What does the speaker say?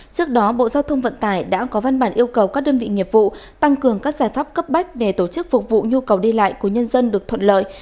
trước đó bộ giao thông vận tải đã có văn bản yêu cầu các đơn vị nghiệp vụ tăng cường các giải pháp cấp bách để tổ chức phục vụ nhu cầu đi lại của nhân dân được thuận lợi